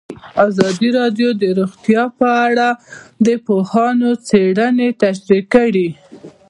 ازادي راډیو د روغتیا په اړه د پوهانو څېړنې تشریح کړې.